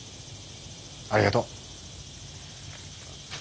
ありがとう。